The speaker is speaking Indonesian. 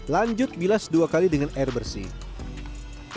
lanjut bilas dua kali dengan air bersih